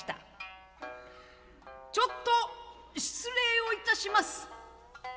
「ちょっと失礼をいたします」。